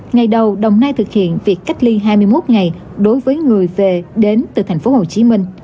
ngày đầu đồng nai thực hiện việc cách ly hai mươi một ngày đối với người về đến từ tp hcm